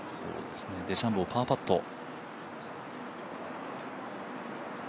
デシャンボーパーパット。